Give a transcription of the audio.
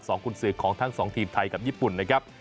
กุญสือของทั้งสองทีมไทยกับญี่ปุ่นนะครับ